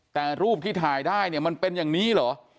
แต่รูปที่ถ่ายได้เนี่ยมันเป็นอย่างนี้เหรอ